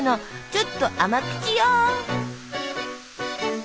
ちょっと甘口よ。